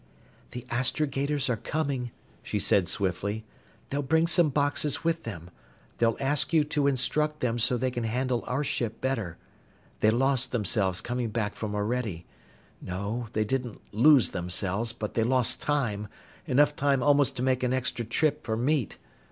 "The astrogators are coming," she said swiftly. "They'll bring some boxes with them. They'll ask you to instruct them so they can handle our ship better. They lost themselves coming back from Orede. No, they didn't lose themselves, but they lost time, enough time almost to make an extra trip for meat.